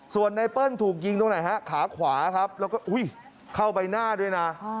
ส่วนไนเปิ้ลถูกยิงตรงไหนฮะขาขวาครับแล้วก็เข้าใบหน้าด้วยนะ